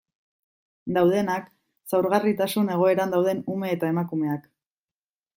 Daudenak, zaurgarritasun egoeran dauden ume eta emakumeak...